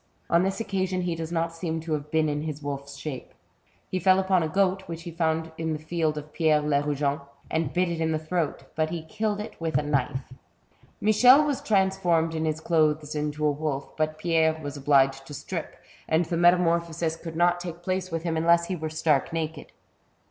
On this occasion he does not seem to have been in his wolfs shape. He fell upon a goat which he found in the field of Pierre Lerugen, and bit it in the throat, but he killed it with a knife. Michel was transformed in his clothes into a wolf, but Pierre was obliged to strip, and the metamorphosis could not take place with him unless he were stark naked.